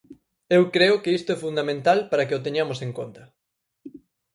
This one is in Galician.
Eu creo que isto é fundamental para que o teñamos en conta.